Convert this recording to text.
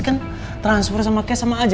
kan transfer sama cash sama aja